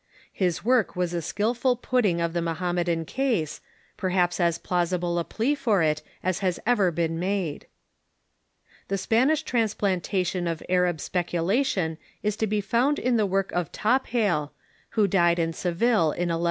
His work was a skilful putting of the Moham medan case, jDerhaps as plausible a plea for it as has ever been made. The Spanish transplantation of Arab speculation is to be found in the work of Tophail, who died in Seville in 1190.